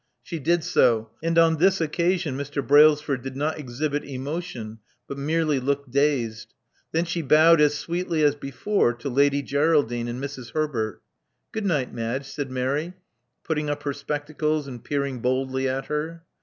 She did so; and on this occasion Mr. Brailsford did not exhibit emotion, but merely looked dazed. Then she bowed as sweetly as before to Lady Geraldine and Mrs. Herbert. "Good night, Madge," said Mary, putting up her spectacles, and peering boldly at her.